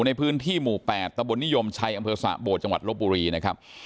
ในพื้นที่หมู่๘ตะบนนิยมชัยอำเภอสะโบดจังหวัดลบบุรีนะครับ